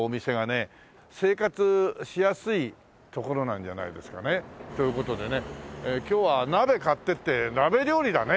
生活しやすい所なんじゃないですかね。という事でね今日は鍋買っていって鍋料理だね！